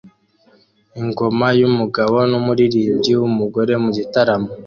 Ingoma yumugabo numuririmbyi wumugore mugitaramo